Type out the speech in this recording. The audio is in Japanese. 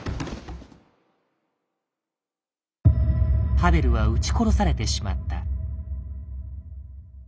パヴェルは撃ち殺されてしまった。